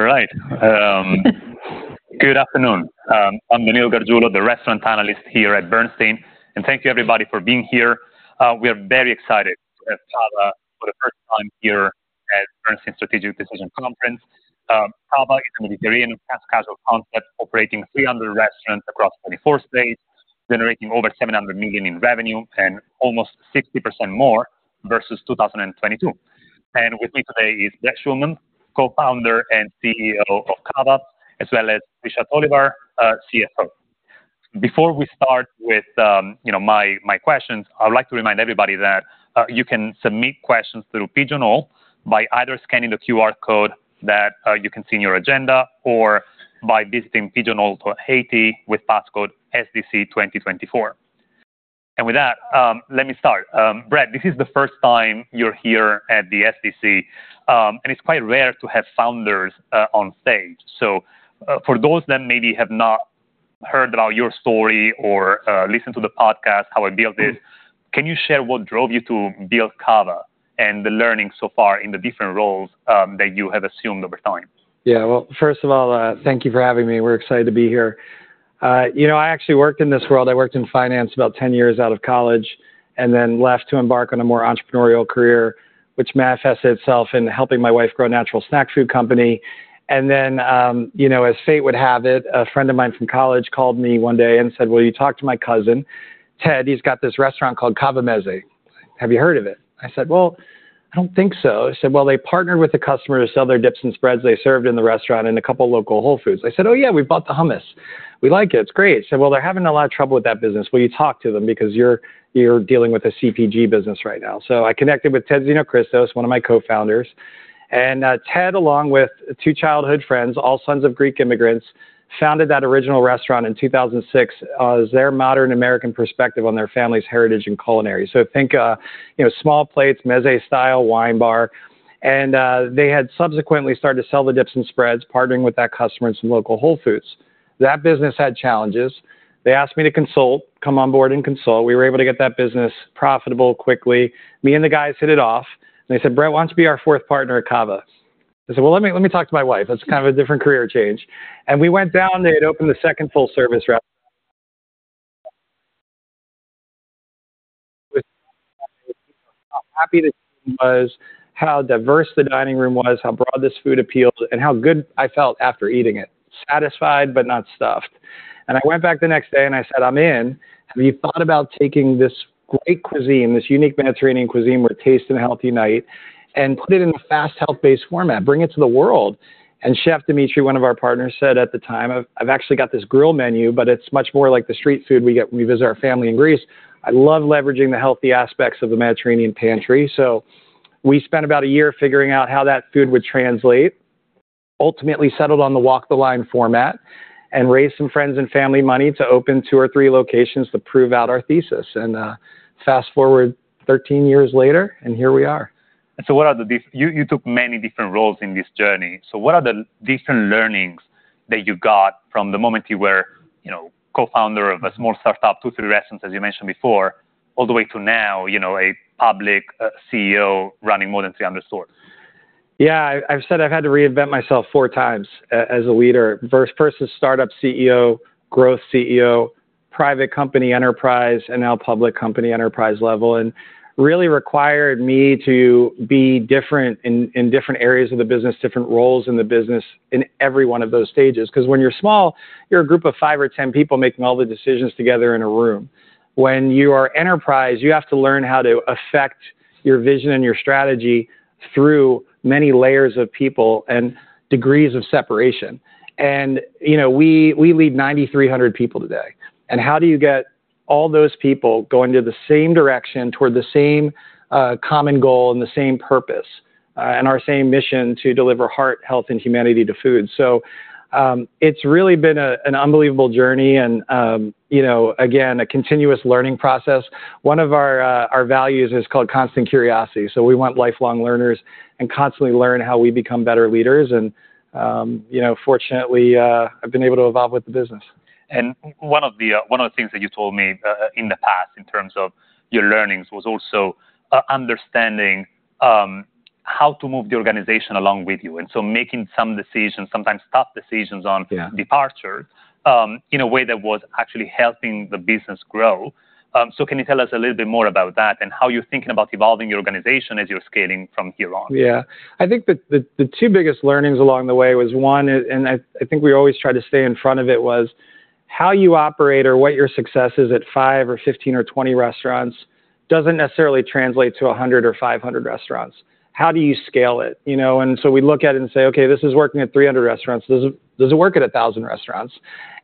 All right. Good afternoon. I'm Danilo Gargiulo, the restaurant analyst here at Bernstein, and thank you, everybody, for being here. We are very excited to have CAVA for the first time here at Bernstein Strategic Decisions Conference. CAVA is a Mediterranean fast-casual concept, operating 300 restaurants across 24 states, generating over $700 million in revenue and almost 60% more versus 2022. And with me today is Brett Schulman, co-founder and CEO of CAVA, as well as Tricia Tolivar, CFO. Before we start with, you know, my questions, I would like to remind everybody that you can submit questions through Pigeonhole by either scanning the QR code that you can see in your agenda, or by visiting pigeonhole.at with passcode SDC 2024. And with that, let me start. Brett, this is the first time you're here at the SDC, and it's quite rare to have founders on stage. So, for those that maybe have not heard about your story or listened to the podcast, How I Built This, can you share what drove you to build CAVA and the learning so far in the different roles that you have assumed over time? Yeah. Well, first of all, thank you for having me. We're excited to be here. You know, I actually worked in this world. I worked in finance about 10 years out of college, and then left to embark on a more entrepreneurial career, which manifested itself in helping my wife grow a natural snack food company. And then, you know, as fate would have it, a friend of mine from college called me one day and said, "Will you talk to my cousin, Ted? He's got this restaurant called CAVA Mezze. Have you heard of it?" I said, "Well, I don't think so." He said, "Well, they partnered with a customer to sell their dips and spreads they served in the restaurant in a couple of local Whole Foods." I said, "Oh, yeah, we bought the hummus. We like it. It's great." He said, "Well, they're having a lot of trouble with that business. Will you talk to them because you're dealing with a CPG business right now?" So I connected with Ted Xenohristos, one of my co-founders, and Ted, along with two childhood friends, all sons of Greek immigrants, founded that original restaurant in 2006, as their modern American perspective on their family's heritage in culinary. So think, you know, small plates, mezze-style wine bar, and they had subsequently started to sell the dips and spreads, partnering with that customer in some local Whole Foods. That business had challenges. They asked me to consult, come on board and consult. We were able to get that business profitable quickly. Me and the guys hit it off, and they said, "Brett, why don't you be our fourth partner at CAVA?" I said, "Well, let me, let me talk to my wife. That's kind of a different career change." And we went down there to open the second full-service restaurant. How happy the team was, how diverse the dining room was, how broad this food appealed, and how good I felt after eating it. Satisfied, but not stuffed. And I went back the next day, and I said, "I'm in. Have you thought about taking this great cuisine, this unique Mediterranean cuisine, where taste and health unite, and put it in a fast, health-based format, bring it to the world?" And Chef Dimitri, one of our partners, said at the time, "I've actually got this grill menu, but it's much more like the street food we get when we visit our family in Greece. I love leveraging the healthy aspects of the Mediterranean pantry." So we spent about a year figuring out how that food would translate, ultimately settled on the walk the line format, and raised some friends and family money to open two or three locations to prove out our thesis. Fast-forward 13 years later, and here we are. And so what are the different— You, you took many different roles in this journey. So what are the different learnings that you got from the moment you were, you know, co-founder of a small startup, two, three restaurants, as you mentioned before, all the way to now, you know, a public CEO running more than 300 stores? Yeah, I've said I've had to reinvent myself four times as a leader. First, first as a startup CEO, growth CEO, private company enterprise, and now public company enterprise level, and really required me to be different in different areas of the business, different roles in the business in every one of those stages. Because when you're small, you're a group of five or 10 people making all the decisions together in a room. When you are enterprise, you have to learn how to affect your vision and your strategy through many layers of people and degrees of separation. And, you know, we lead 9,300 people today. And how do you get all those people going in the same direction, toward the same common goal and the same purpose, and our same mission to deliver heart, health, and humanity to food? So, it's really been an unbelievable journey and, you know, again, a continuous learning process. One of our values is called constant curiosity, so we want lifelong learners and constantly learn how we become better leaders, and, you know, fortunately, I've been able to evolve with the business. One of the things that you told me in the past, in terms of your learnings, was also understanding how to move the organization along with you, and so making some decisions, sometimes tough decisions on- Yeah... departures, in a way that was actually helping the business grow. So can you tell us a little bit more about that and how you're thinking about evolving your organization as you're scaling from here on? Yeah. I think that the two biggest learnings along the way was, one, and I think we always tried to stay in front of it, was how you operate or what your success is at five or 15 or 20 restaurants doesn't necessarily translate to 100 or 500 restaurants. How do you scale it? You know, and so we look at it and say, "Okay, this is working at 300 restaurants. Does it work at 1,000 restaurants?"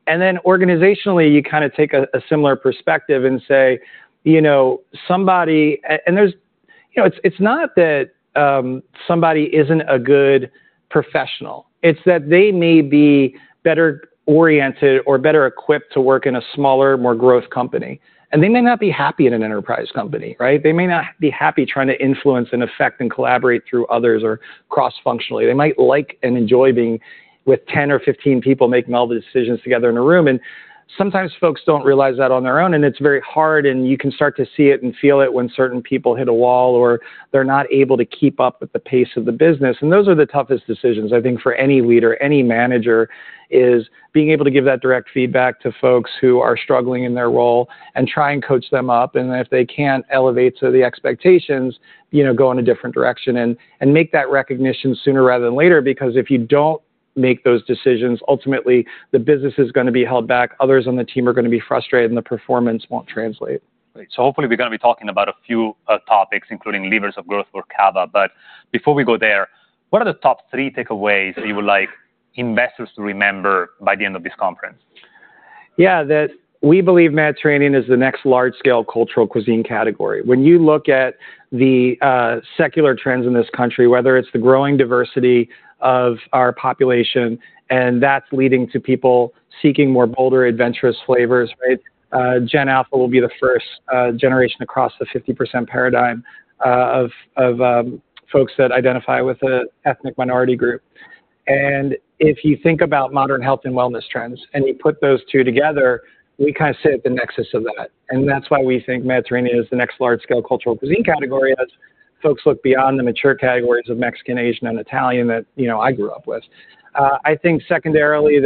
And then organizationally, you kind of take a similar perspective and say, you know, somebody. And there's. You know, it's not that somebody isn't a good professional. It's that they may be better oriented or better equipped to work in a smaller, more growth company, and they may not be happy in an enterprise company, right? They may not be happy trying to influence and affect and collaborate through others or cross-functionally. They might like and enjoy being with 10 or 15 people, making all the decisions together in a room, and sometimes folks don't realize that on their own, and it's very hard, and you can start to see it and feel it when certain people hit a wall or they're not able to keep up with the pace of the business. Those are the toughest decisions, I think, for any leader, any manager, is being able to give that direct feedback to folks who are struggling in their role and try and coach them up, and if they can't elevate to the expectations, you know, go in a different direction. and make that recognition sooner rather than later, because if you don't make those decisions, ultimately, the business is gonna be held back, others on the team are gonna be frustrated, and the performance won't translate. Right. So hopefully, we're gonna be talking about a few topics, including levers of growth for CAVA. But before we go there, what are the top three takeaways that you would like investors to remember by the end of this conference? Yeah, that we believe Mediterranean is the next large-scale cultural cuisine category. When you look at the secular trends in this country, whether it's the growing diversity of our population, and that's leading to people seeking more bolder, adventurous flavors, right? Gen Alpha will be the first generation across the 50% paradigm of folks that identify with an ethnic minority group. And if you think about modern health and wellness trends, and you put those two together, we kind of sit at the nexus of that. And that's why we think Mediterranean is the next large-scale cultural cuisine category as folks look beyond the mature categories of Mexican, Asian, and Italian that, you know, I grew up with. I think secondarily,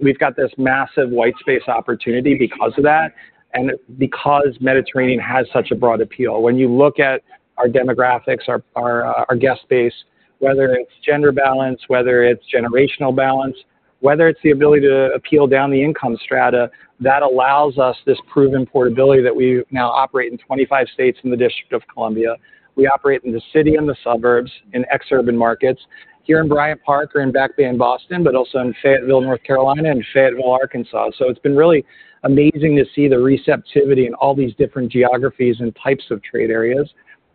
we've got this massive white space opportunity because of that, and because Mediterranean has such a broad appeal. When you look at our demographics, our guest base, whether it's gender balance, whether it's generational balance, whether it's the ability to appeal down the income strata, that allows us this proven portability that we now operate in 25 states in the District of Columbia. We operate in the city and the suburbs, in exurban markets, here in Bryant Park or in Back Bay in Boston, but also in Fayetteville, North Carolina, and Fayetteville, Arkansas. So it's been really amazing to see the receptivity in all these different geographies and types of trade areas.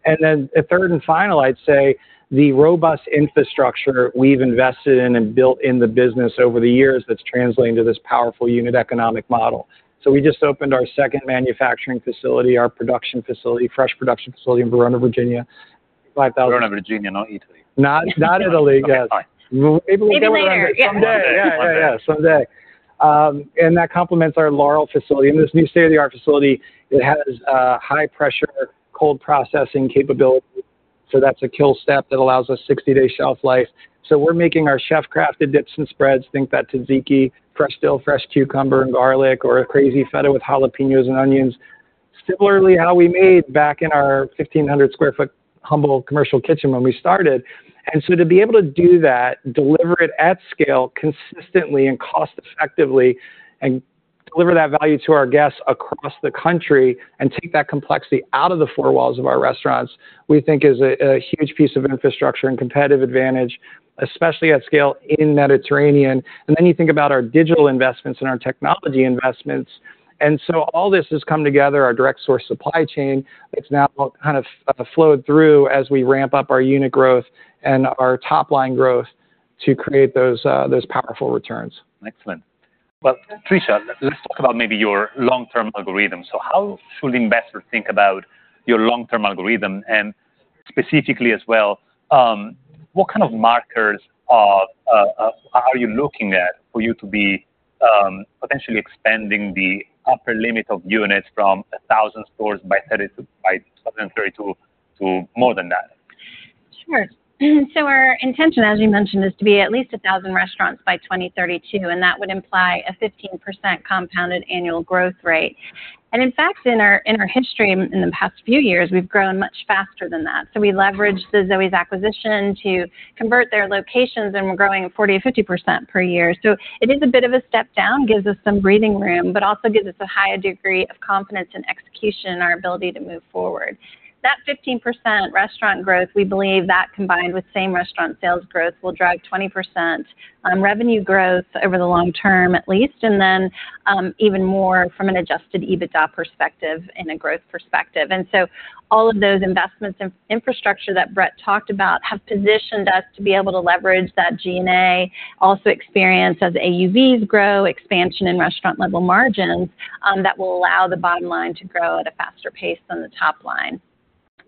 And then a third and final, I'd say, the robust infrastructure we've invested in and built in the business over the years that's translating to this powerful unit economic model. So we just opened our second manufacturing facility, our production facility, fresh production facility in Verona, Virginia, five thousand- Verona, Virginia, not Italy. Not, not Italy yet. Okay, fine. Maybe later. Yeah. Someday. Yeah, yeah, yeah. Someday. And that complements our Laurel facility. And this new state-of-the-art facility, it has, high-pressure cold processing capability, so that's a kill step that allows us 60-day shelf life. So we're making our chef-crafted dips and spreads. Think that tzatziki, fresh dill, fresh cucumber, and garlic, or a Crazy Feta with jalapeños and onions. Similarly, how we made back in our 1,500 sq ft humble commercial kitchen when we started. And so to be able to do that, deliver it at scale consistently and cost-effectively, and deliver that value to our guests across the country and take that complexity out of the four walls of our restaurants, we think is a huge piece of infrastructure and competitive advantage, especially at scale in Mediterranean. And then you think about our digital investments and our technology investments. And so all this has come together, our direct source supply chain. It's now kind of flowed through as we ramp up our unit growth and our top-line growth to create those powerful returns. Excellent. Well, Tricia, let's talk about maybe your long-term algorithm. So how should investors think about your long-term algorithm? And specifically as well, what kind of markers of are you looking at for you to be potentially expanding the upper limit of units from 1,000 stores by 2032 to more than that? Sure. So our intention, as you mentioned, is to be at least 1,000 restaurants by 2032, and that would imply a 15% compounded annual growth rate. And in fact, in our history, in the past few years, we've grown much faster than that. So we leveraged the Zoës acquisition to convert their locations, and we're growing at 40%-50% per year. So it is a bit of a step down, gives us some breathing room, but also gives us a higher degree of confidence and execution in our ability to move forward. That 15% restaurant growth, we believe that, combined with same-restaurant sales growth, will drive 20% revenue growth over the long term, at least, and then, even more from an adjusted EBITDA perspective and a growth perspective. All of those investments in infrastructure that Brett talked about have positioned us to be able to leverage that G&A, also experience as AUVs grow, expansion in restaurant-level margins, that will allow the bottom line to grow at a faster pace than the top line.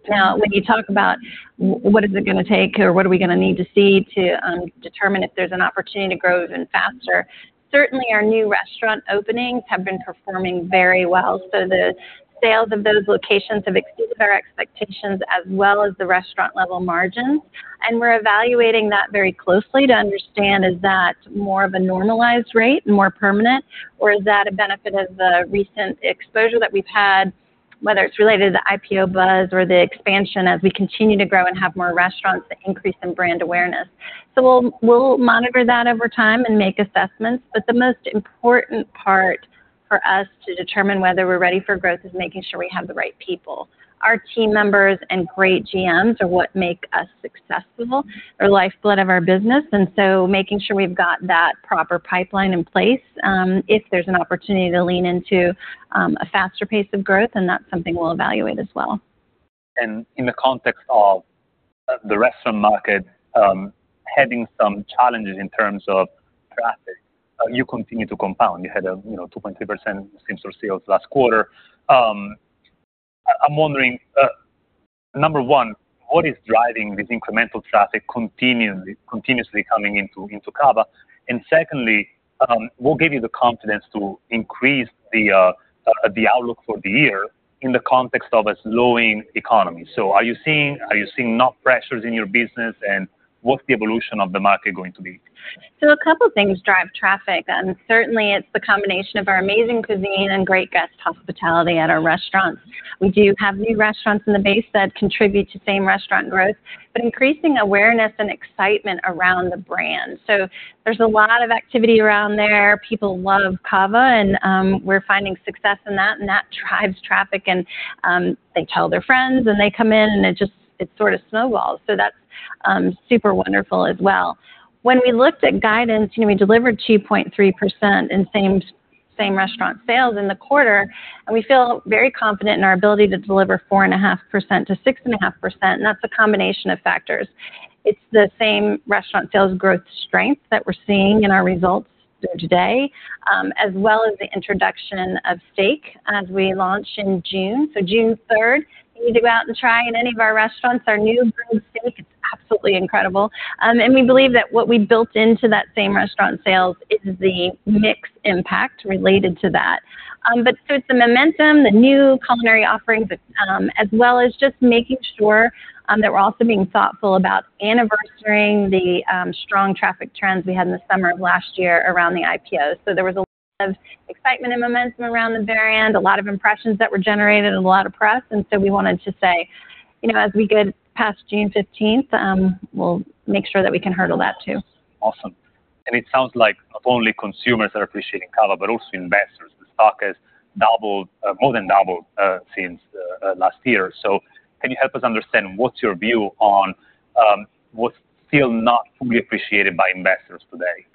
Now, when you talk about what is it gonna take, or what are we gonna need to see to, determine if there's an opportunity to grow even faster, certainly our new restaurant openings have been performing very well. The sales of those locations have exceeded our expectations, as well as the restaurant-level margins. We're evaluating that very closely to understand, is that more of a normalized rate, more permanent, or is that a benefit of the recent exposure that we've had, whether it's related to the IPO buzz or the expansion as we continue to grow and have more restaurants that increase in brand awareness? We'll monitor that over time and make assessments, but the most important part for us to determine whether we're ready for growth is making sure we have the right people. Our team members and great GMs are what make us successful. They're the lifeblood of our business, and so making sure we've got that proper pipeline in place, if there's an opportunity to lean into a faster pace of growth, and that's something we'll evaluate as well. In the context of the restaurant market having some challenges in terms of traffic, you continue to compound. You had, you know, 2.3% same-store sales last quarter. I'm wondering, number one, what is driving this incremental traffic continuously coming into CAVA? And secondly, what gave you the confidence to increase the outlook for the year in the context of a slowing economy? So are you seeing no pressures in your business, and what's the evolution of the market going to be? So a couple things drive traffic, and certainly it's the combination of our amazing cuisine and great guest hospitality at our restaurants. We do have new restaurants in the base that contribute to same-restaurant growth, but increasing awareness and excitement around the brand. So there's a lot of activity around there. People love CAVA, and, we're finding success in that, and that drives traffic. And, they tell their friends, and they come in, and it just, it sort of snowballs, so that's, super wonderful as well. When we looked at guidance, you know, we delivered 2.3% in same, same-restaurant sales in the quarter, and we feel very confident in our ability to deliver 4.5%-6.5%, and that's a combination of factors. It's the same-restaurant sales growth strength that we're seeing in our results through today, as well as the introduction of steak as we launch in June. So June 3rd, you need to go out and try in any of our restaurants, our new grilled steak. It's absolutely incredible. And we believe that what we built into that same-restaurant sales is the mix impact related to that. But so it's the momentum, the new culinary offerings, but, as well as just making sure, that we're also being thoughtful about anniversarying the strong traffic trends we had in the summer of last year around the IPO. There was a lot of excitement and momentum around the very end, a lot of impressions that were generated and a lot of press, and so we wanted to say, you know, as we get past June fifteenth, we'll make sure that we can hurdle that, too. Awesome. It sounds like not only consumers are appreciating CAVA, but also investors. The stock has doubled, more than doubled, since last year. Can you help us understand what's your view on what's still not fully appreciated by investors today?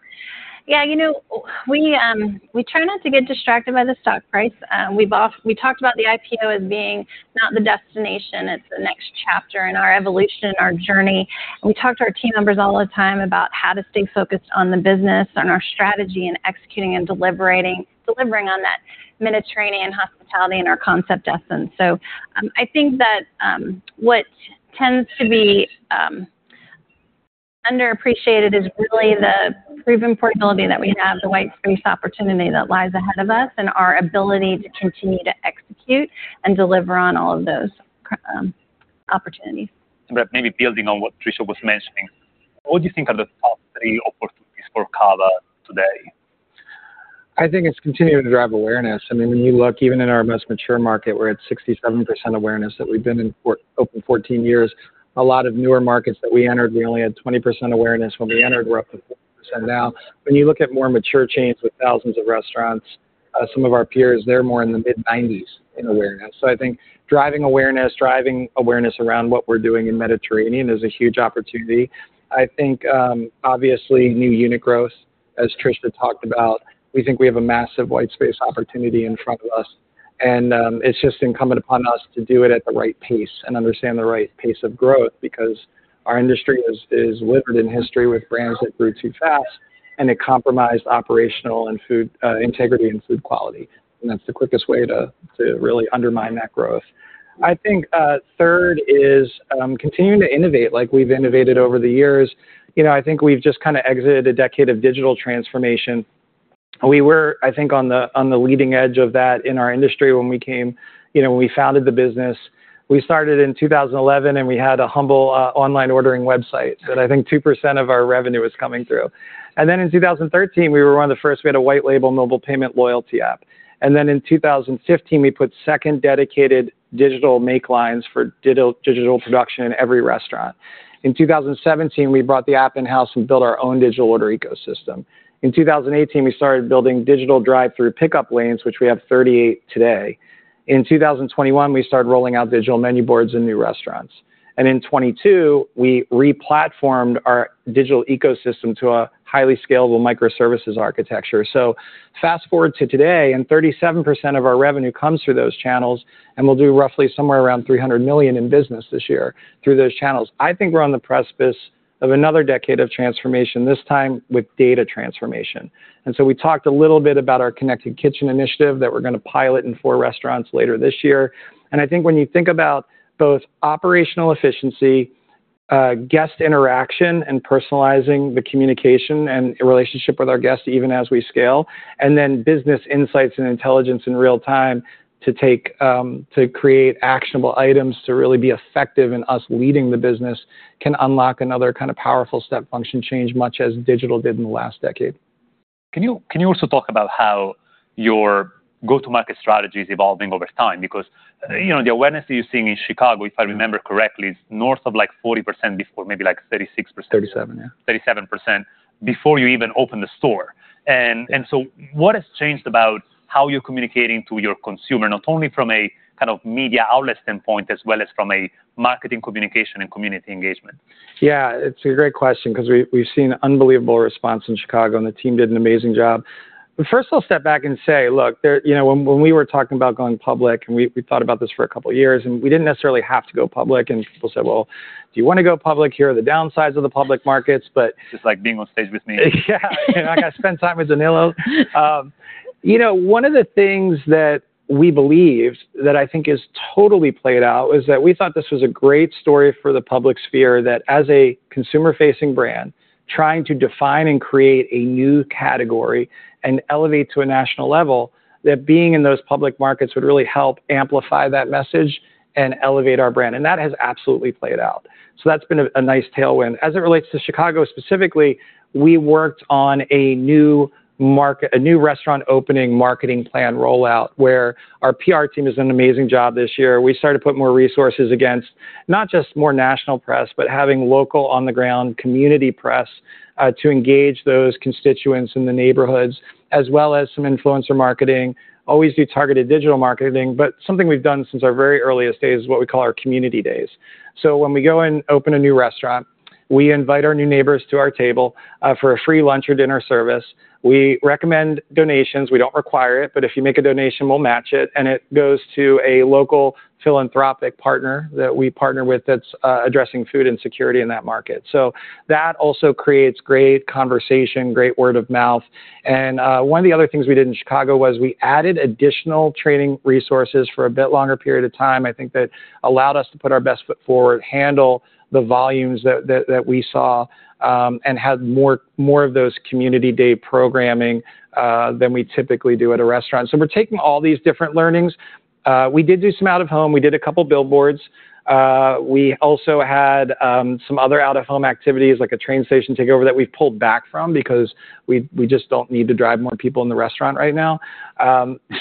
Yeah, you know, we try not to get distracted by the stock price. We've talked about the IPO as being not the destination, it's the next chapter in our evolution, our journey. And we talk to our team members all the time about how to stay focused on the business, on our strategy, and executing and delivering on that Mediterranean hospitality and our concept essence. So, I think that what tends to be underappreciated is really the proven portability that we have, the white space opportunity that lies ahead of us, and our ability to continue to execute and deliver on all of those opportunities. Maybe building on what Tricia was mentioning, what do you think are the top three opportunities for CAVA today? I think it's continuing to drive awareness. I mean, when you look even in our most mature market, we're at 67% awareness that we've been in for over 14 years. A lot of newer markets that we entered, we only had 20% awareness when we entered, we're up to 40% now. When you look at more mature chains with thousands of restaurants, some of our peers, they're more in the mid-90s in awareness. So I think driving awareness, driving awareness around what we're doing in Mediterranean is a huge opportunity. I think, obviously, new unit growth, as Tricia talked about, we think we have a massive white space opportunity in front of us, and, it's just incumbent upon us to do it at the right pace and understand the right pace of growth because our industry is littered in history with brands that grew too fast, and it compromised operational and food integrity and food quality, and that's the quickest way to really undermine that growth. I think, third is, continuing to innovate like we've innovated over the years. You know, I think we've just kind of exited a decade of digital transformation. We were, I think, on the, on the leading edge of that in our industry when we came... You know, when we founded the business. We started in 2011, and we had a humble online ordering website that I think 2% of our revenue was coming through. And then in 2013, we were one of the first. We had a white label mobile payment loyalty app. And then in 2015, we put second dedicated digital make lines for digital production in every restaurant. In 2017, we brought the app in-house and built our own digital order ecosystem. In 2018, we started building digital drive-through pickup lanes, which we have 38 today. In 2021, we started rolling out digital menu boards in new restaurants. And in 2022, we re-platformed our digital ecosystem to a highly scalable microservices architecture. So fast forward to today, and 37% of our revenue comes through those channels, and we'll do roughly somewhere around $300 million in business this year through those channels. I think we're on the precipice of another decade of transformation, this time with data transformation. And so we talked a little bit about our Connected Kitchen initiative that we're gonna pilot in four restaurants later this year. And I think when you think about both operational efficiency, guest interaction, and personalizing the communication and relationship with our guests, even as we scale, and then business insights and intelligence in real time to take, to create actionable items to really be effective in us leading the business, can unlock another kind of powerful step function change, much as digital did in the last decade. Can you also talk about how your go-to-market strategy is evolving over time? Because, you know, the awareness that you're seeing in Chicago, if I remember correctly, is north of, like, 40% before, maybe like 36%- 37%, yeah. 37% before you even open the store. And so what has changed about how you're communicating to your consumer, not only from a kind of media outlet standpoint, as well as from a marketing, communication, and community engagement? Yeah, it's a great question because we, we've seen unbelievable response in Chicago, and the team did an amazing job. But first, I'll step back and say, look, there, you know, when we were talking about going public, and we, we thought about this for a couple of years, and we didn't necessarily have to go public, and people said: Well, do you want to go public? Here are the downsides of the public markets, but- Just like being on stage with me. Yeah. You know, I got to spend time with Danilo. You know, one of the things that we believed that I think is totally played out, is that we thought this was a great story for the public sphere, that as a consumer-facing brand, trying to define and create a new category and elevate to a national level, that being in those public markets would really help amplify that message and elevate our brand. And that has absolutely played out. So that's been a nice tailwind. As it relates to Chicago specifically, we worked on a new market- a new restaurant opening marketing plan rollout, where our PR team has done an amazing job this year. We started to put more resources against not just more national press, but having local on-the-ground community press, to engage those constituents in the neighborhoods, as well as some influencer marketing, always do targeted digital marketing. But something we've done since our very earliest days is what we call our Community Days. So when we go and open a new restaurant, we invite our new neighbors to our table, for a free lunch or dinner service. We recommend donations. We don't require it, but if you make a donation, we'll match it, and it goes to a local philanthropic partner that we partner with that's addressing food insecurity in that market. So that also creates great conversation, great word-of-mouth. And one of the other things we did in Chicago was we added additional training resources for a bit longer period of time. I think that allowed us to put our best foot forward, handle the volumes that we saw, and had more of those community day programming than we typically do at a restaurant. So we're taking all these different learnings. We did do some out-of-home. We did a couple billboards. We also had some other out-of-home activities, like a train station takeover, that we've pulled back from because we just don't need to drive more people in the restaurant right now.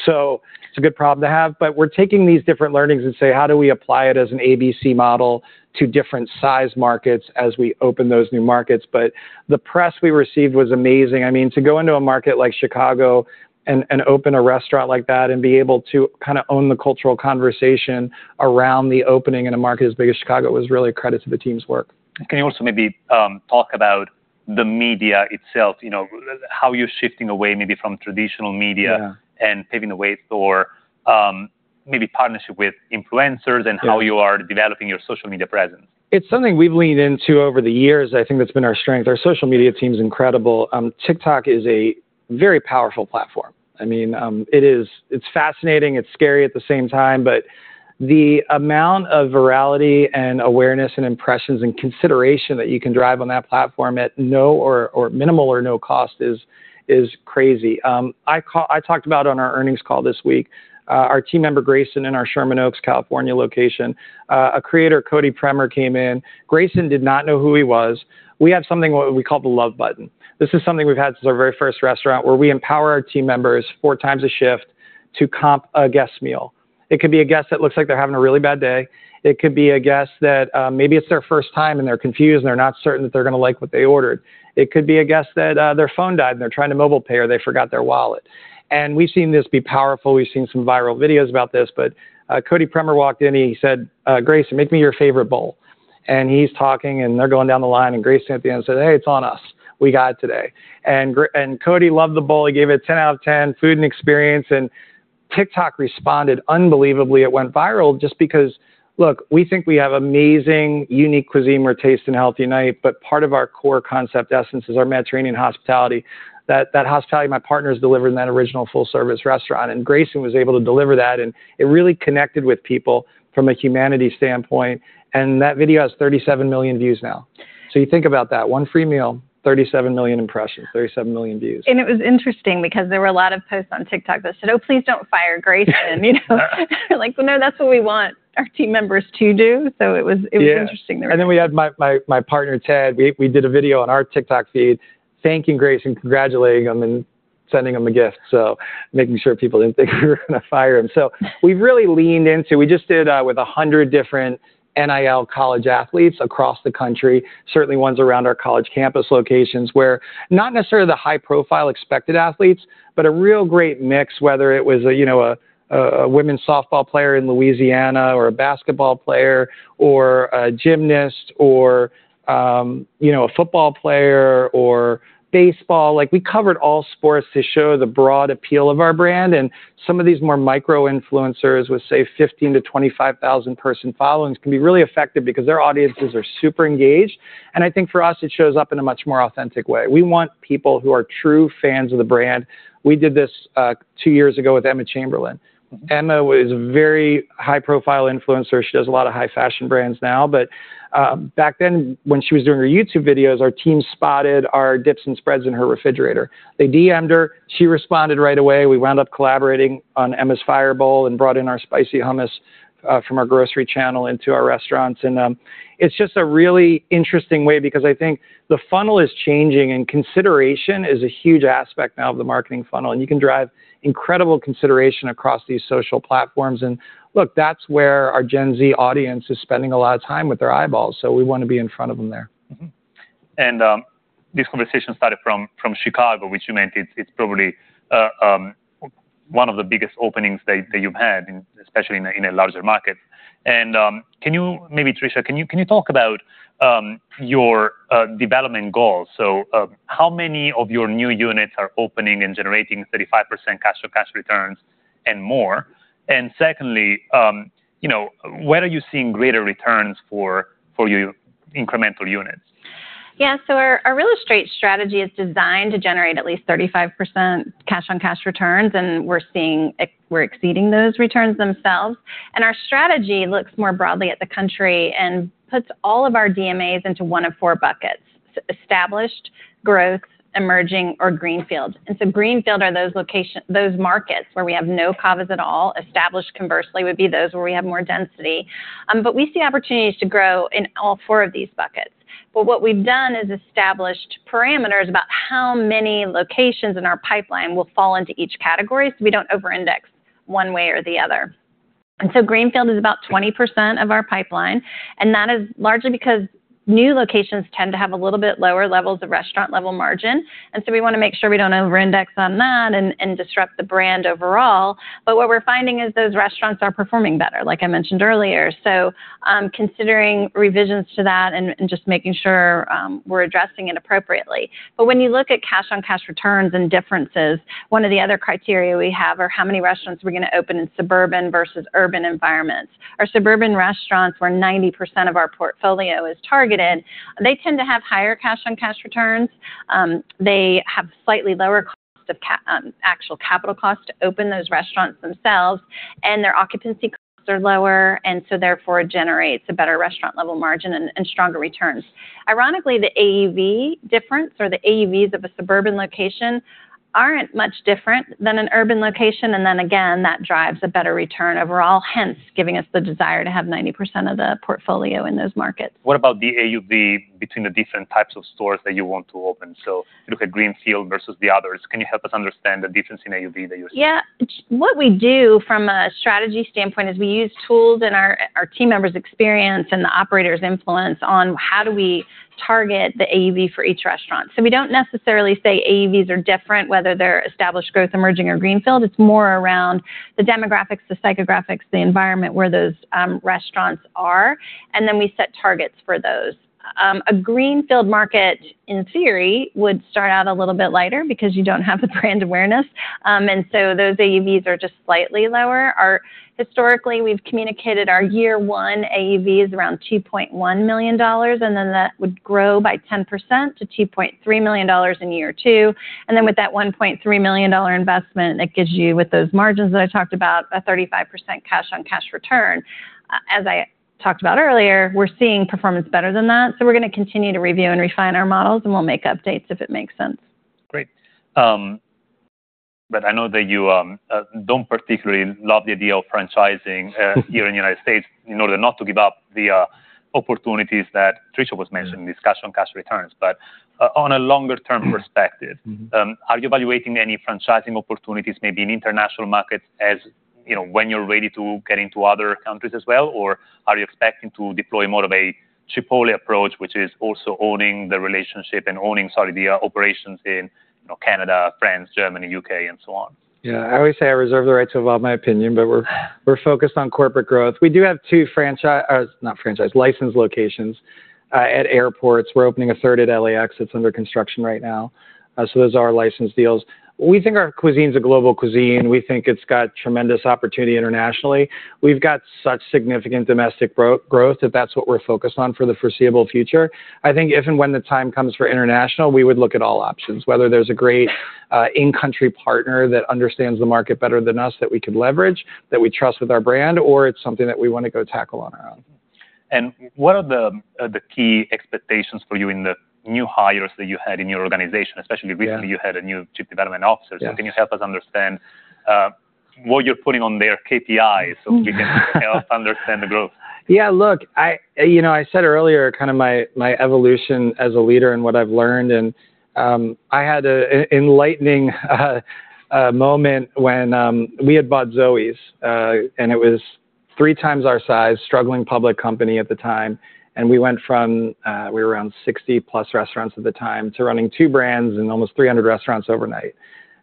So it's a good problem to have, but we're taking these different learnings and say: How do we apply it as an ABC model to different size markets as we open those new markets? But the press we received was amazing. I mean, to go into a market like Chicago and open a restaurant like that, and be able to kind of own the cultural conversation around the opening in a market as big as Chicago was really a credit to the team's work. Can you also maybe talk about the media itself, you know, how you're shifting away maybe from traditional media- Yeah -and paving the way for, maybe partnership with influencers- Yeah and how you are developing your social media presence? It's something we've leaned into over the years. I think that's been our strength. Our social media team's incredible. TikTok is a very powerful platform. I mean, it is. It's fascinating. It's scary at the same time. But the amount of virality and awareness and impressions and consideration that you can drive on that platform at no or minimal or no cost is crazy. I talked about on our earnings call this week our team member, Grayson, in our Sherman Oaks, California, location. A creator, Cody Premer, came in. Grayson did not know who he was. We have something what we call the Love Button. This is something we've had since our very first restaurant, where we empower our team members four times a shift to comp a guest's meal. It could be a guest that looks like they're having a really bad day. It could be a guest that, maybe it's their first time, and they're confused, and they're not certain that they're gonna like what they ordered. It could be a guest that, their phone died, and they're trying to mobile pay, or they forgot their wallet. And we've seen this be powerful. We've seen some viral videos about this, but, Cody Premer walked in, and he said, "Grayson, make me your favorite bowl." And he's talking, and they're going down the line, and Grayson, at the end, said, "Hey, it's on us. We got it today." And Cody loved the bowl. He gave it a 10 out of 10, food and experience, and TikTok responded unbelievably. It went viral just because... Look, we think we have amazing, unique cuisine where taste and healthy unite, but part of our core concept essence is our Mediterranean hospitality. That hospitality my partners delivered in that original full-service restaurant, and Grayson was able to deliver that, and it really connected with people from a humanity standpoint, and that video has 37 million views now. So you think about that, one free meal, 37 million impressions, 37 million views. It was interesting because there were a lot of posts on TikTok that said: "Oh, please don't fire Grayson." You know? We're like: "Well, no, that's what we want our team members to do." So it was- Yeah... it was interesting. And then we had my partner, Ted, we did a video on our TikTok feed thanking Grayson, congratulating him, and sending him a gift. So making sure people didn't think we were gonna fire him. So we've really leaned into. We just did with 100 different NIL college athletes across the country, certainly ones around our college campus locations, where not necessarily the high-profile expected athletes, but a real great mix, whether it was, you know, a women's softball player in Louisiana, or a basketball player, or a gymnast, or, you know, a football player, or baseball. Like, we covered all sports to show the broad appeal of our brand. Some of these more micro influencers with, say, 15,000-25,000-person followings can be really effective because their audiences are super engaged, and I think for us, it shows up in a much more authentic way. We want people who are true fans of the brand. We did this two years ago with Emma Chamberlain. Emma was a very high-profile influencer. She does a lot of high-fashion brands now, but back then, when she was doing her YouTube videos, our team spotted our dips and spreads in her refrigerator. They DM'd her. She responded right away. We wound up collaborating on Emma's Fire Bowl and brought in our spicy hummus from our grocery channel into our restaurants. It's just a really interesting way because I think the funnel is changing, and consideration is a huge aspect now of the marketing funnel, and you can drive incredible consideration across these social platforms. And look, that's where our Gen Z audience is spending a lot of time with their eyeballs, so we wanna be in front of them there. Mm-hmm. And this conversation started from Chicago, which you mentioned. It's probably one of the biggest openings that you've had, especially in a larger market. And can you... Maybe, Tricia, can you talk about your development goals? So how many of your new units are opening and generating 35% cash-on-cash returns and more? And secondly, you know, where are you seeing greater returns for your incremental units? ... Yeah, so our real estate strategy is designed to generate at least 35% cash-on-cash returns, and we're seeing we're exceeding those returns themselves. And our strategy looks more broadly at the country and puts all of our DMAs into one of four buckets: established, growth, emerging, or greenfield. And so greenfield are those markets where we have no CAVA at all. Established, conversely, would be those where we have more density. But we see opportunities to grow in all four of these buckets. But what we've done is established parameters about how many locations in our pipeline will fall into each category, so we don't over-index one way or the other. And so greenfield is about 20% of our pipeline, and that is largely because new locations tend to have a little bit lower levels of restaurant-level margin, and so we wanna make sure we don't overindex on that and, and disrupt the brand overall. But what we're finding is those restaurants are performing better, like I mentioned earlier. So, considering revisions to that and, and just making sure we're addressing it appropriately. But when you look at cash-on-cash returns and differences, one of the other criteria we have are how many restaurants we're gonna open in suburban versus urban environments. Our suburban restaurants, where 90% of our portfolio is targeted, they tend to have higher cash-on-cash returns. They have slightly lower costs of capital, actual capital costs to open those restaurants themselves, and their occupancy costs are lower, and so therefore, it generates a better restaurant-level margin and, and stronger returns. Ironically, the AUV difference or the AUVs of a suburban location aren't much different than an urban location, and then again, that drives a better return overall, hence, giving us the desire to have 90% of the portfolio in those markets. What about the AUV between the different types of stores that you want to open? So you look at greenfield versus the others. Can you help us understand the difference in AUV that you're seeing? Yeah. What we do from a strategy standpoint is we use tools and our team members' experience and the operators' influence on how we target the AUV for each restaurant. So we don't necessarily say AUVs are different, whether they're established, growth, emerging, or greenfield. It's more around the demographics, the psychographics, the environment where those restaurants are, and then we set targets for those. A greenfield market, in theory, would start out a little bit lighter because you don't have the brand awareness. And so those AUVs are just slightly lower. Historically, we've communicated our year one AUV is around $2.1 million, and then that would grow by 10% to $2.3 million in year two. Then with that $1.3 million investment, that gives you, with those margins that I talked about, a 35% cash-on-cash return. As I talked about earlier, we're seeing performance better than that, so we're gonna continue to review and refine our models, and we'll make updates if it makes sense. Great. But I know that you don't particularly love the idea of franchising here in the United States, in order not to give up the opportunities that Tricia was mentioning, discussion on cash returns. But on a longer-term perspective- Mm-hmm. Are you evaluating any franchising opportunities, maybe in international markets, you know, when you're ready to get into other countries as well? Or are you expecting to deploy more of a Chipotle approach, which is also owning the relationship and owning, sorry, the operations in, you know, Canada, France, Germany, U.K., and so on? Yeah. I always say I reserve the right to evolve my opinion, but we're focused on corporate growth. We do have two licensed locations at airports. We're opening a third at LAX that's under construction right now. So those are our licensed deals. We think our cuisine is a global cuisine. We think it's got tremendous opportunity internationally. We've got such significant domestic growth that that's what we're focused on for the foreseeable future. I think if and when the time comes for international, we would look at all options, whether there's a great in-country partner that understands the market better than us, that we could leverage, that we trust with our brand, or it's something that we wanna go tackle on our own. What are the key expectations for you in the new hires that you had in your organization? Yeah. Especially recently, you had a new Chief Development Officer. Yes. Can you help us understand what you're putting on their KPIs? Mm. So we can help understand the growth? Yeah, look, you know, I said earlier, kind of my, my evolution as a leader and what I've learned, and I had an enlightening moment when we had bought Zoës, and it was three times our size, struggling public company at the time, and we went from, we were around 60-plus restaurants at the time, to running two brands and almost 300 restaurants overnight.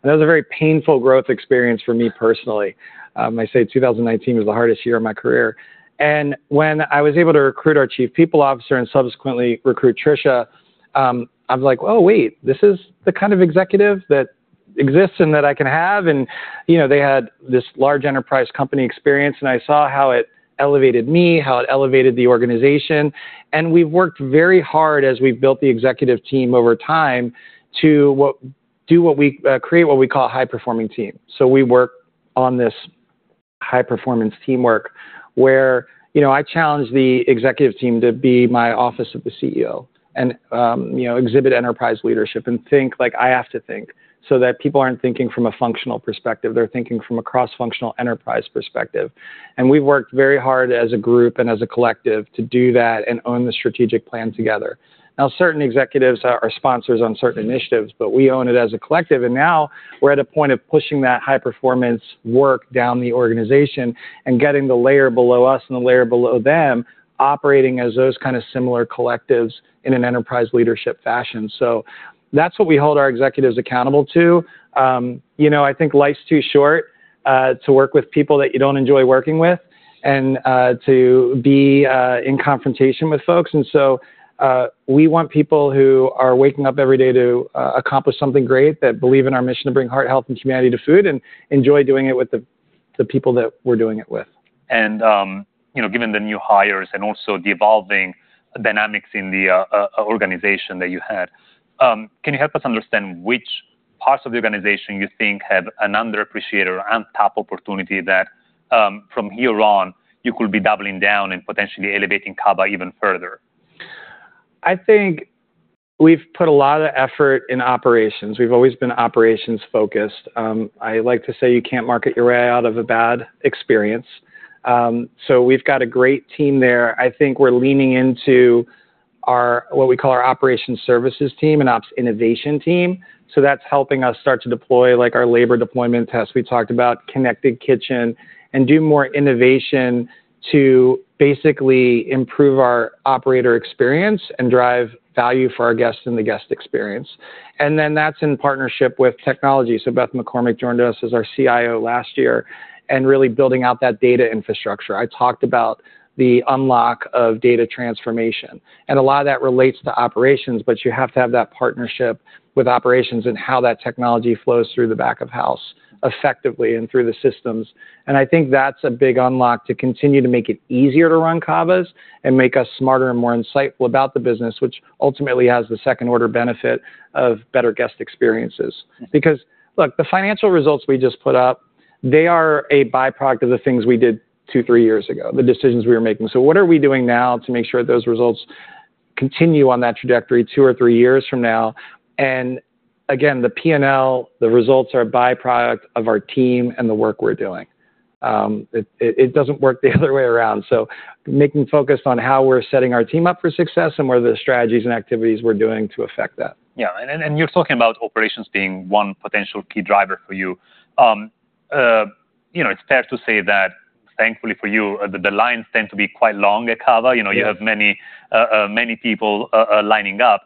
And that was a very painful growth experience for me personally. I say 2019 was the hardest year of my career. And when I was able to recruit our Chief People Officer and subsequently recruit Tricia, I was like: Oh, wait, this is the kind of executive that exists and that I can have? And, you know, they had this large enterprise company experience, and I saw how it elevated me, how it elevated the organization, and we've worked very hard as we've built the executive team over time to create what we call a high-performing team. So we work on this high-performance teamwork, where, you know, I challenge the executive team to be my office of the CEO and, you know, exhibit enterprise leadership and think like I have to think, so that people aren't thinking from a functional perspective, they're thinking from a cross-functional enterprise perspective. And we've worked very hard as a group and as a collective to do that and own the strategic plan together. Now, certain executives are sponsors on certain initiatives, but we own it as a collective, and now we're at a point of pushing that high-performance work down the organization and getting the layer below us and the layer below them, operating as those kind of similar collectives in an enterprise leadership fashion. So that's what we hold our executives accountable to. You know, I think life's too short to work with people that you don't enjoy working with and to be in confrontation with folks. And so we want people who are waking up every day to accomplish something great, that believe in our mission to bring heart, health, and humanity to food, and enjoy doing it with the people that we're doing it with. you know, given the new hires and also the evolving dynamics in the organization that you had, can you help us understand which parts of the organization you think have an underappreciated or on-top opportunity that from here on, you could be doubling down and potentially elevating CAVA even further? I think we've put a lot of effort in operations. We've always been operations-focused. I like to say you can't market your way out of a bad experience. So we've got a great team there. I think we're leaning into our, what we call our operations services team and ops innovation team, so that's helping us start to deploy, like, our labor deployment test. We talked about Connected Kitchen, and do more innovation to basically improve our operator experience and drive value for our guests and the guest experience. And then that's in partnership with technology, so Beth McCormick joined us as our CIO last year and really building out that data infrastructure. I talked about the unlock of data transformation, and a lot of that relates to operations, but you have to have that partnership with operations and how that technology flows through the back of house effectively and through the systems. And I think that's a big unlock to continue to make it easier to run CAVAs and make us smarter and more insightful about the business, which ultimately has the second-order benefit of better guest experiences. Because, look, the financial results we just put up, they are a byproduct of the things we did two, three years ago, the decisions we were making. So what are we doing now to make sure those results continue on that trajectory two or three years from now? And again, the P&L, the results are a byproduct of our team and the work we're doing. It doesn't work the other way around. So making focused on how we're setting our team up for success and what are the strategies and activities we're doing to affect that. Yeah, and you're talking about operations being one potential key driver for you. You know, it's fair to say that, thankfully for you, the lines tend to be quite long at CAVA. Yes. You know, you have many people lining up.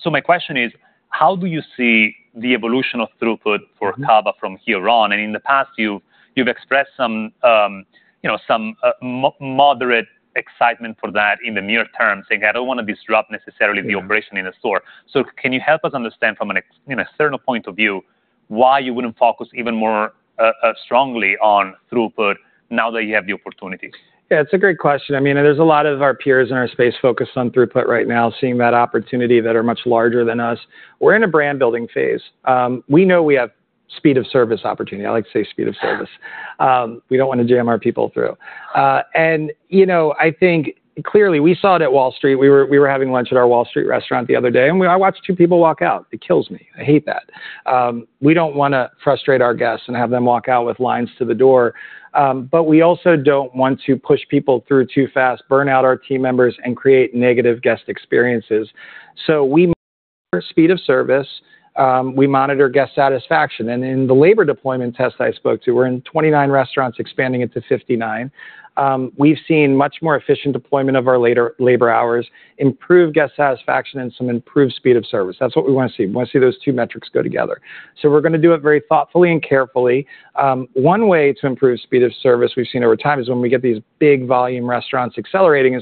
So my question is: how do you see the evolution of throughput? Mm-hmm... for CAVA from here on? And in the past, you've expressed some, you know, some moderate excitement for that in the near term, saying, "I don't wanna disrupt necessarily the operation in the store. Yeah. So can you help us understand from, you know, a certain point of view, why you wouldn't focus even more strongly on throughput now that you have the opportunity? Yeah, it's a great question. I mean, there's a lot of our peers in our space focused on throughput right now, seeing that opportunity that are much larger than us. We're in a brand-building phase. We know we have speed of service opportunity. I like to say speed of service. We don't wanna jam our people through. And, you know, I think clearly, we saw it at Wall Street. We were having lunch at our Wall Street restaurant the other day, and I watched two people walk out. It kills me. I hate that. We don't wanna frustrate our guests and have them walk out with lines to the door, but we also don't want to push people through too fast, burn out our team members, and create negative guest experiences. So we... Speed of service, we monitor guest satisfaction, and in the labor deployment test I spoke to, we're in 29 restaurants, expanding it to 59. We've seen much more efficient deployment of our labor hours, improved guest satisfaction, and some improved speed of service. That's what we wanna see. We wanna see those two metrics go together. So we're gonna do it very thoughtfully and carefully. One way to improve speed of service we've seen over time is when we get these big volume restaurants accelerating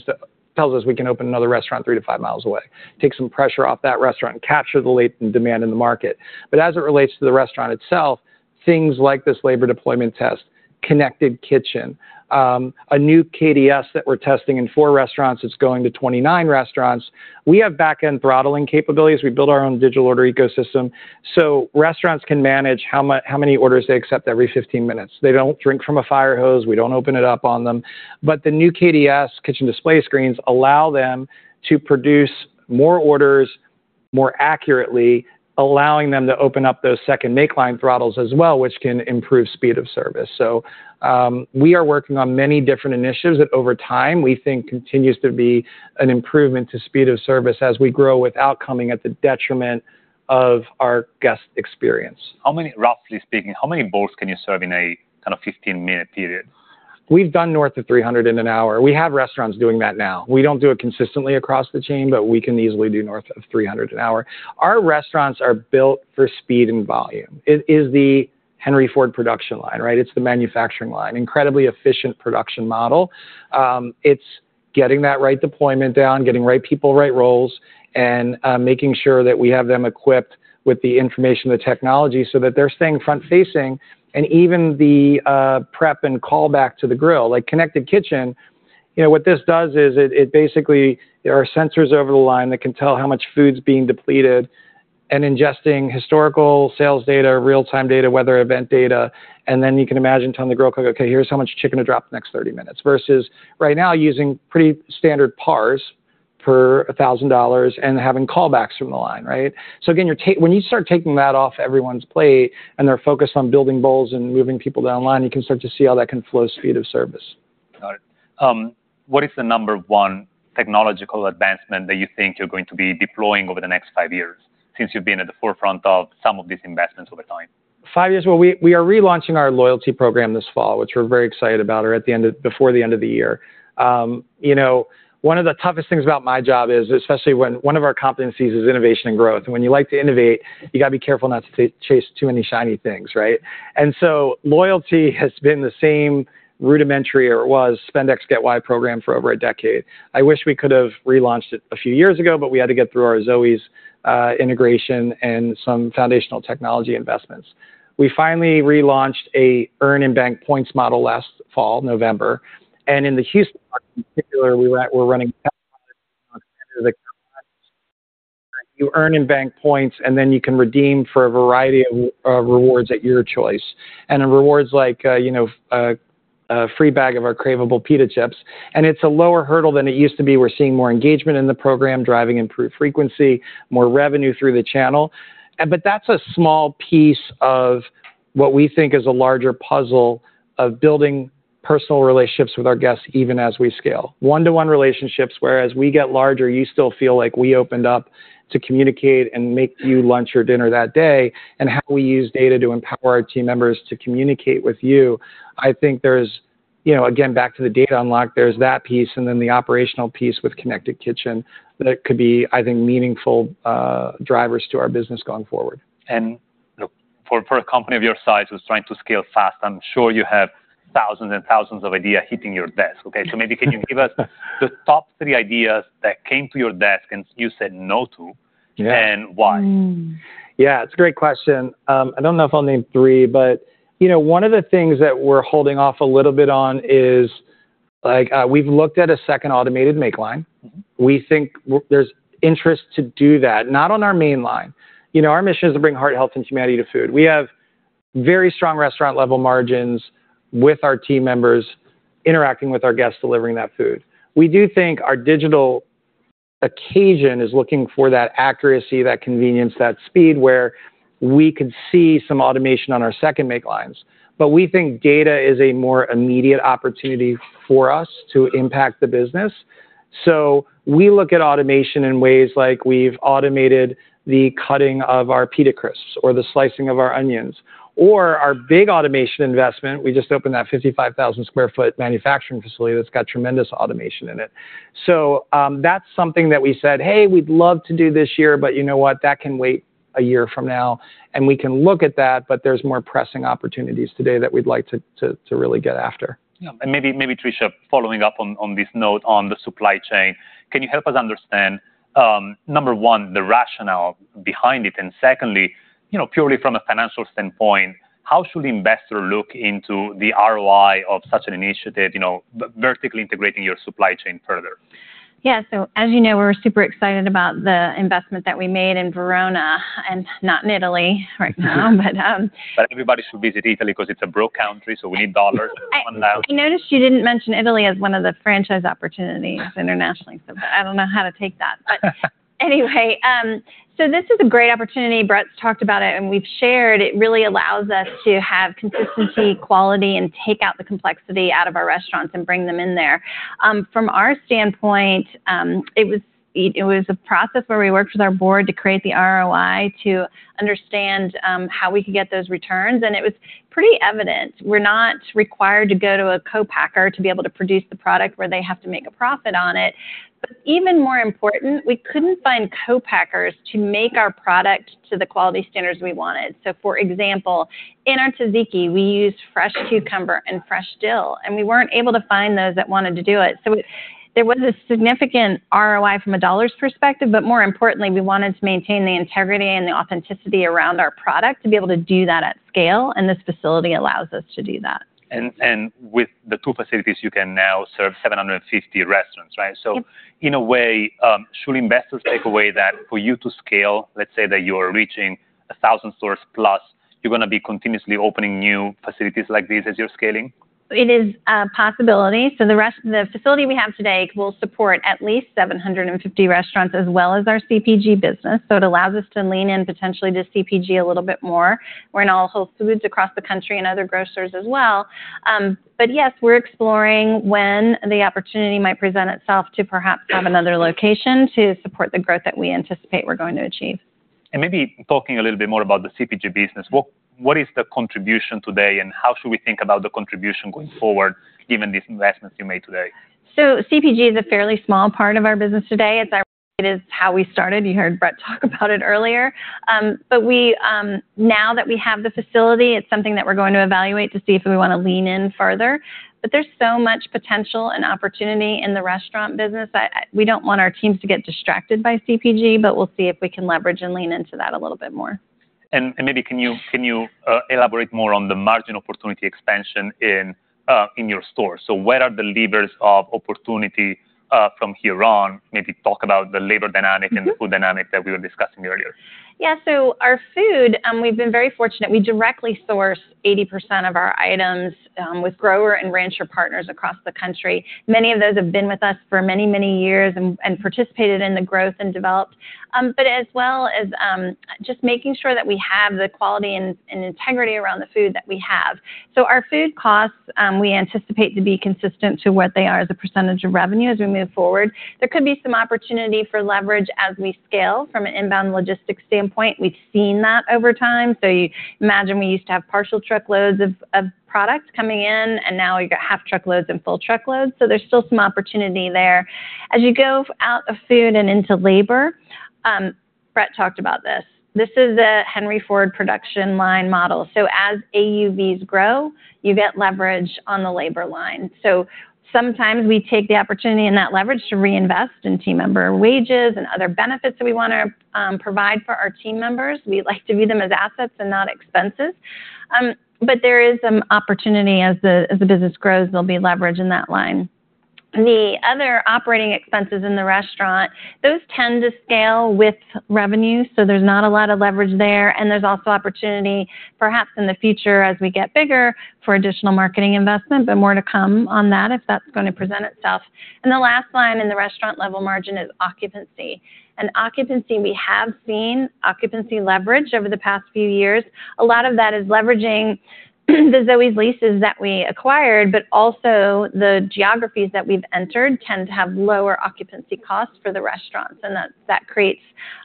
tells us we can open another restaurant 3-5 mi away, take some pressure off that restaurant, and capture the latent demand in the market. But as it relates to the restaurant itself, things like this labor deployment test, Connected Kitchen, a new KDS that we're testing in four restaurants, it's going to 29 restaurants. We have backend throttling capabilities. We build our own digital order ecosystem, so restaurants can manage how many orders they accept every 15 minutes. They don't drink from a fire hose. We don't open it up on them. But the new KDS, kitchen display screens, allow them to produce more orders more accurately, allowing them to open up those second make-line throttles as well, which can improve speed of service. So, we are working on many different initiatives that, over time, we think continues to be an improvement to speed of service as we grow without coming at the detriment of our guest experience. Roughly speaking, how many bowls can you serve in a kind of 15-minute period? We've done north of 300 in an hour. We have restaurants doing that now. We don't do it consistently across the chain, but we can easily do north of 300 an hour. Our restaurants are built for speed and volume. It is the Henry Ford production line, right? It's the manufacturing line, incredibly efficient production model. It's getting that right deployment down, getting right people, right roles, and making sure that we have them equipped with the information and the technology so that they're staying front-facing and even the prep and callback to the grill. Like, Connected Kitchen, you know, what this does is it basically... There are sensors over the line that can tell how much food's being depleted and ingesting historical sales data, real-time data, weather event data, and then you can imagine telling the grill cook: "Okay, here's how much chicken to drop the next 30 minutes." Versus right now, using pretty standard pars per $1,000 and having callbacks from the line, right? So again, when you start taking that off everyone's plate, and they're focused on building bowls and moving people down the line, you can start to see how that can flow speed of service. Got it. What is the number one technological advancement that you think you're going to be deploying over the next five years, since you've been at the forefront of some of these investments over time? 5 years, well, we are relaunching our loyalty program this fall, which we're very excited about, or before the end of the year. You know, one of the toughest things about my job is, especially when one of our competencies is innovation and growth, and when you like to innovate, you gotta be careful not to chase too many shiny things, right? And so loyalty has been the same rudimentary, or it was, spend X, get Y program for over a decade. I wish we could have relaunched it a few years ago, but we had to get through our Zoës integration and some foundational technology investments. We finally relaunched a earn and bank points model last fall, November. And in the Houston market in particular, we're running you earn and bank points, and then you can redeem for a variety of rewards at your choice. And the rewards like, you know, a free bag of our craveable pita chips, and it's a lower hurdle than it used to be. We're seeing more engagement in the program, driving improved frequency, more revenue through the channel. But that's a small piece of what we think is a larger puzzle of building personal relationships with our guests, even as we scale. One-to-one relationships, where as we get larger, you still feel like we opened up to communicate and make you lunch or dinner that day, and how we use data to empower our team members to communicate with you. I think there's, you know, again, back to the data unlock, there's that piece, and then the operational piece with Connected Kitchen, that could be, I think, meaningful drivers to our business going forward. And, look, for a company of your size who's trying to scale fast, I'm sure you have thousands and thousands of ideas hitting your desk, okay? So maybe can you give us the top three ideas that came to your desk, and you said no to- Yeah. and why? Mm. Yeah, it's a great question. I don't know if I'll name three, but, you know, one of the things that we're holding off a little bit on is, like, we've looked at a second automated make line. Mm-hmm. We think there's interest to do that, not on our main line. You know, our mission is to bring heart health and humanity to food. We have very strong restaurant-level margins with our team members interacting with our guests, delivering that food. We do think our digital occasion is looking for that accuracy, that convenience, that speed, where we could see some automation on our second make lines. But we think data is a more immediate opportunity for us to impact the business. So we look at automation in ways like we've automated the cutting of our pita chips or the slicing of our onions, or our big automation investment, we just opened that 55,000 sq ft manufacturing facility that's got tremendous automation in it. So, that's something that we said, "Hey, we'd love to do this year, but you know what? That can wait a year from now," and we can look at that, but there's more pressing opportunities today that we'd like to really get after. Yeah, and maybe Tricia, following up on this note on the supply chain, can you help us understand number 1, the rationale behind it, and secondly, you know, purely from a financial standpoint, how should investor look into the ROI of such an initiative, you know, vertically integrating your supply chain further? Yeah, so as you know, we're super excited about the investment that we made in Verona, and not in Italy right now, but, But everybody should visit Italy because it's a broke country, so we need dollars coming out. I noticed you didn't mention Italy as one of the franchise opportunities internationally, but I don't know how to take that. But anyway, this is a great opportunity. Brett's talked about it, and we've shared it really allows us to have consistency, quality, and take out the complexity out of our restaurants and bring them in there. From our standpoint, it was a process where we worked with our board to create the ROI to understand how we could get those returns, and it was pretty evident. We're not required to go to a co-packer to be able to produce the product where they have to make a profit on it. But even more important, we couldn't find co-packers to make our product to the quality standards we wanted. For example, in our tzatziki, we use fresh cucumber and fresh dill, and we weren't able to find those that wanted to do it. There was a significant ROI from a dollars perspective, but more importantly, we wanted to maintain the integrity and the authenticity around our product to be able to do that at scale, and this facility allows us to do that. With the two facilities, you can now serve 750 restaurants, right? Yep. So in a way, should investors take away that for you to scale, let's say that you are reaching 1,000 stores plus, you're gonna be continuously opening new facilities like these as you're scaling? It is a possibility. So the rest, the facility we have today will support at least 750 restaurants, as well as our CPG business, so it allows us to lean in, potentially to CPG a little bit more. We're in all Whole Foods across the country and other grocers as well. But yes, we're exploring when the opportunity might present itself to perhaps have another location to support the growth that we anticipate we're going to achieve. Maybe talking a little bit more about the CPG business. What is the contribution today, and how should we think about the contribution going forward, given these investments you made today? So CPG is a fairly small part of our business today. It's our... It is how we started. You heard Brett talk about it earlier. But we, now that we have the facility, it's something that we're going to evaluate to see if we wanna lean in further. But there's so much potential and opportunity in the restaurant business. I, we don't want our teams to get distracted by CPG, but we'll see if we can leverage and lean into that a little bit more. And maybe, can you elaborate more on the margin opportunity expansion in your store? So where are the levers of opportunity from here on? Maybe talk about the labor dynamic- Mm-hmm. and the food dynamic that we were discussing earlier. Yeah, so our food, we've been very fortunate. We directly source 80% of our items, with grower and rancher partners across the country. Many of those have been with us for many, many years and participated in the growth and development. But as well as, just making sure that we have the quality and integrity around the food that we have. So our food costs, we anticipate to be consistent to what they are as a percentage of revenue as we move forward. There could be some opportunity for leverage as we scale from an inbound logistics standpoint. We've seen that over time. So you imagine we used to have partial truckloads of product coming in, and now we've got half truckloads and full truckloads, so there's still some opportunity there. As you go out of food and into labor, Brett talked about this. This is a Henry Ford production line model. So as AUVs grow, you get leverage on the labor line. So sometimes we take the opportunity and that leverage to reinvest in team member wages and other benefits that we wanna provide for our team members. We like to view them as assets and not expenses. But there is some opportunity as the business grows, there'll be leverage in that line. The other operating expenses in the restaurant, those tend to scale with revenue, so there's not a lot of leverage there, and there's also opportunity, perhaps in the future as we get bigger, for additional marketing investment, but more to come on that if that's gonna present itself. And the last line in the restaurant level margin is occupancy. Occupancy, we have seen occupancy leverage over the past few years. A lot of that is leveraging the Zoës leases that we acquired, but also the geographies that we've entered tend to have lower occupancy costs for the restaurants, and that, that creates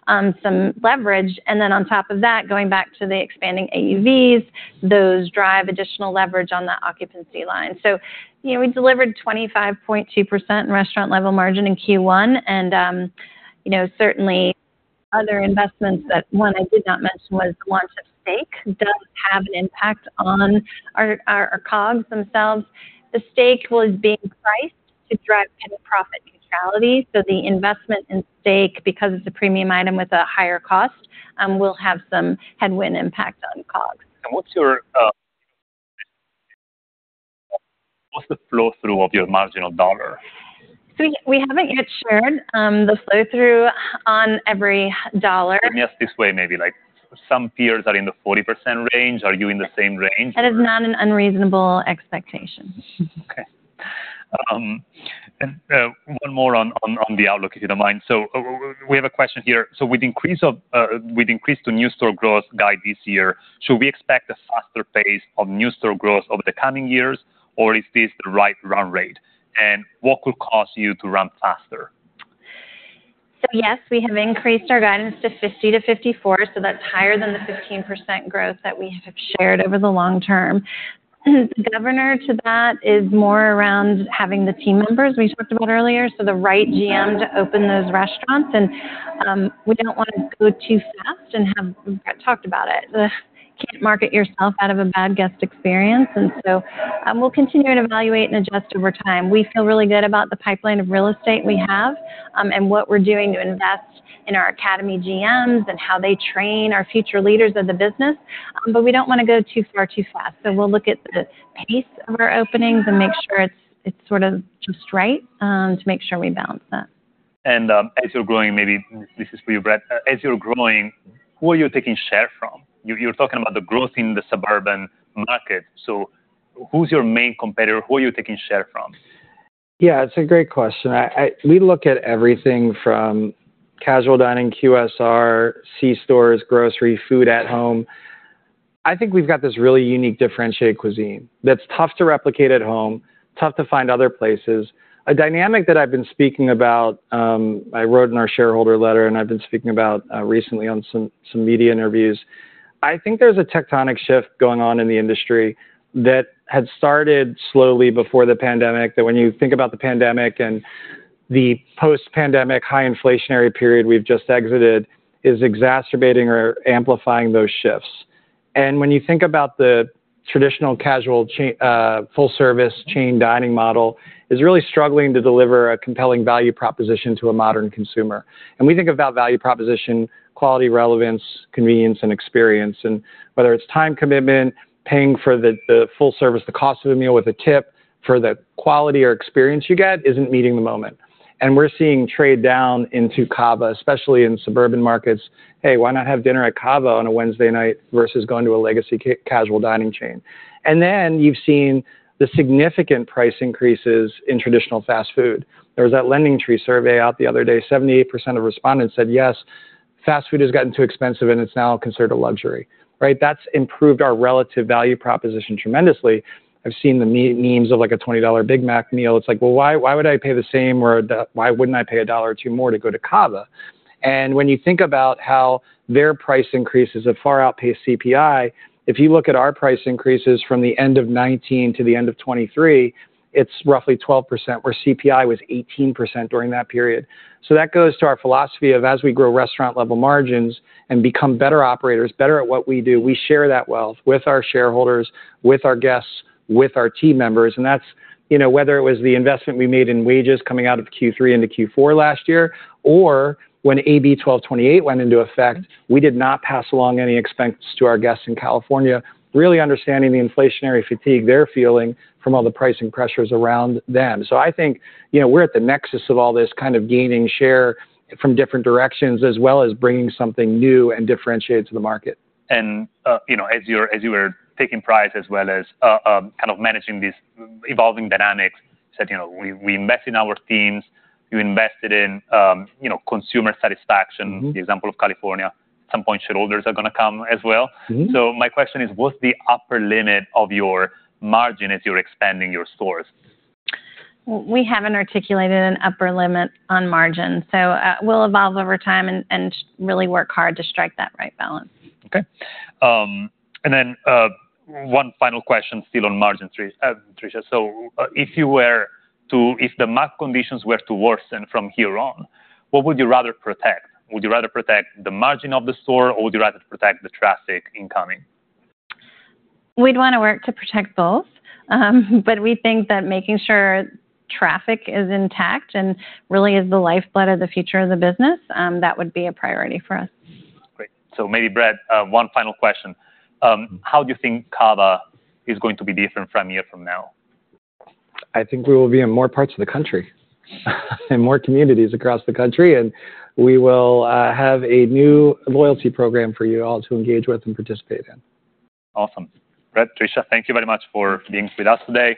some leverage. And then on top of that, going back to the expanding AUVs, those drive additional leverage on that occupancy line. So, you know, we delivered 25.2% in restaurant level margin in Q1, and, you know, certainly other investments that, one I did not mention was launch of steak, does have an impact on our, our, our COGS themselves. The steak was being priced to drive kind of profit neutrality, so the investment in steak, because it's a premium item with a higher cost, will have some headwind impact on COGS. What's the flow-through of your marginal dollar? So we haven't yet shared the flow-through on every dollar. Let me ask this way, maybe, like, some peers are in the 40% range. Are you in the same range? That is not an unreasonable expectation. Okay. And one more on the outlook, if you don't mind. So we have a question here: So with increase to new store growth guide this year, should we expect a faster pace of new store growth over the coming years, or is this the right run rate? And what could cause you to run faster? So, yes, we have increased our guidance to 50-54, so that's higher than the 15% growth that we have shared over the long term. Going to that is more around having the team members we talked about earlier, so the right GM to open those restaurants. We don't wanna go too fast and have... We've talked about it. Can't market yourself out of a bad guest experience. So, we'll continue to evaluate and adjust over time. We feel really good about the pipeline of real estate we have, and what we're doing to invest in our Academy GMs and how they train our future leaders of the business, but we don't wanna go too far, too fast. So we'll look at the pace of our openings and make sure it's sort of just right, to make sure we balance that. As you're growing, maybe this is for you, Brett. As you're growing, who are you taking share from? You, you're talking about the growth in the suburban market, so who's your main competitor? Who are you taking share from? Yeah, it's a great question. I. We look at everything from casual dining, QSR, c-stores, grocery, food at home. I think we've got this really unique, differentiated cuisine that's tough to replicate at home, tough to find other places. A dynamic that I've been speaking about, I wrote in our shareholder letter, and I've been speaking about, recently on some media interviews. I think there's a tectonic shift going on in the industry that had started slowly before the pandemic, that when you think about the pandemic and the post-pandemic high inflationary period we've just exited, is exacerbating or amplifying those shifts. And when you think about the traditional casual full-service chain dining model, is really struggling to deliver a compelling value proposition to a modern consumer. We think about value proposition, quality, relevance, convenience, and experience, and whether it's time commitment, paying for the, the full service, the cost of a meal with a tip for the quality or experience you get, isn't meeting the moment. We're seeing trade down into CAVA, especially in suburban markets. "Hey, why not have dinner at CAVA on a Wednesday night versus going to a legacy casual dining chain?" Then you've seen the significant price increases in traditional fast food. There was that LendingTree survey out the other day. 78% of respondents said, "Yes, fast food has gotten too expensive, and it's now considered a luxury." Right? That's improved our relative value proposition tremendously. I've seen the memes of, like, a $20 Big Mac meal. It's like, well, why, why would I pay the same or the, why wouldn't I pay a $1 or 2 more to go to CAVA? And when you think about how their price increases have far outpaced CPI, if you look at our price increases from the end of 2019 to the end of 2023, it's roughly 12%, where CPI was 18% during that period. So that goes to our philosophy of, as we grow restaurant-level margins and become better operators, better at what we do, we share that wealth with our shareholders, with our guests, with our team members. And that's, you know, whether it was the investment we made in wages coming out of Q3 into Q4 last year, or when AB 1228 went into effect, we did not pass along any expense to our guests in California, really understanding the inflationary fatigue they're feeling from all the pricing pressures around them. So I think, you know, we're at the nexus of all this, kind of gaining share from different directions, as well as bringing something new and differentiated to the market. And, you know, as you're, as you were taking pride, as well as, kind of managing these evolving dynamics, said, you know, we, we invest in our teams. You invested in, you know, consumer satisfaction- Mm-hmm. the example of California. At some point, shareholders are gonna come as well. Mm-hmm. My question is, what's the upper limit of your margin as you're expanding your stores? We haven't articulated an upper limit on margin, so, we'll evolve over time and really work hard to strike that right balance. Okay. And then, one final question, still on margin, Tricia. So, if you were to, if the macro conditions were to worsen from here on, what would you rather protect? Would you rather protect the margin of the store, or would you rather protect the traffic incoming? We'd wanna work to protect both. But we think that making sure traffic is intact and really is the lifeblood of the future of the business, that would be a priority for us. Great. So maybe Brett, one final question: how do you think CAVA is going to be different from a year from now? I think we will be in more parts of the country, in more communities across the country, and we will have a new loyalty program for you all to engage with and participate in. Awesome. Brett, Tricia, thank you very much for being with us today.